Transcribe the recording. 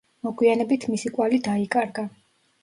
მოგვიანებით მისი კვალი დაიკარგა.